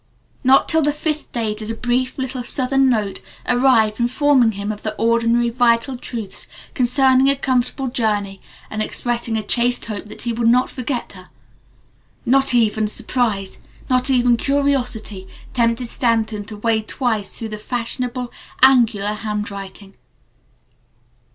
Not till the fifth day did a brief little Southern note arrive informing him of the ordinary vital truths concerning a comfortable journey, and expressing a chaste hope that he would not forget her. Not even surprise, not even curiosity, tempted Stanton to wade twice through the fashionable, angular handwriting.